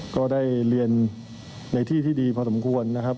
ก็ได้เรียนในที่ที่ดีพอสมควรนะครับ